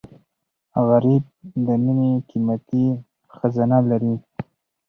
غریب د مینې قیمتي خزانه لري